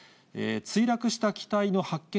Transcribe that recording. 墜落した機体の発見